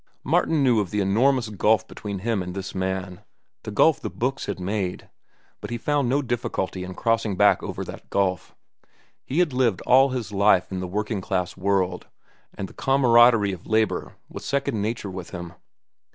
Martin knew of the enormous gulf between him and this man—the gulf the books had made; but he found no difficulty in crossing back over that gulf. He had lived all his life in the working class world, and the camaraderie of labor was second nature with him.